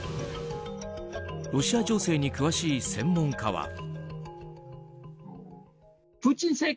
ロシア情勢に詳しい専門家は。